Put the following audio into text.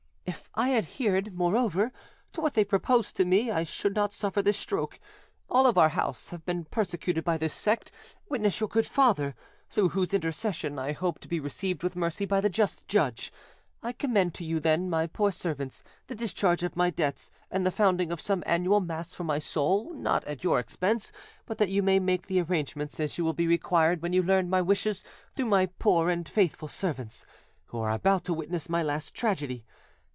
If I adhered, moreover, to what they propose to me, I should not suffer this stroke. All of our house have been persecuted by this sect, witness your good father, through whose intercession I hope to be received with mercy by the just judge. I commend to you, then, my poor servants, the discharge of my debts, and the founding of some annual mass for my soul, not at your expense, but that you may make the arrangements, as you will be required when you learn my wishes through my poor and faithful servants, who are about to witness my last tragedy.